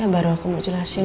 baru aku mau jelasin